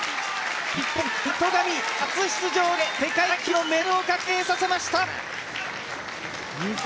日本、宇田・戸上、初出場で世界卓球のメダルを確定させました！